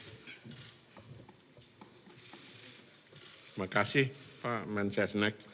terima kasih pak menkesnek